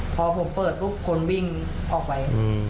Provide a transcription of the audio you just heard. พอผมเปิดปุ๊บคนวิ่งออกไป